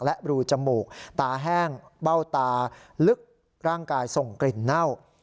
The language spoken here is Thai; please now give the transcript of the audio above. และรูจมูกตาแห้งเบ้าตาลึกร่างกายส่งกลิ่นเน่า